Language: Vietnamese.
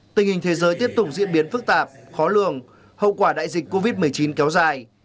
tình hình thế giới tiếp tục diễn biến phức tạp khó lường hậu quả đại dịch covid một mươi chín kéo dài